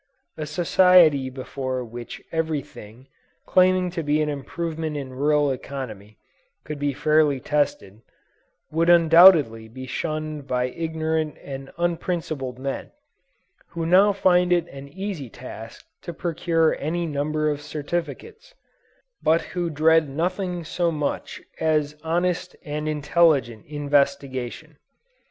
A society before which every thing, claiming to be an improvement in rural economy, could be fairly tested, would undoubtedly be shunned by ignorant and unprincipled men, who now find it an easy task to procure any number of certificates, but who dread nothing so much as honest and intelligent investigation.